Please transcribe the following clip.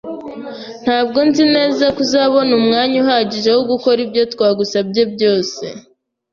Ntabwo nzi neza ko uzabona umwanya uhagije wo gukora ibyo twagusabye byose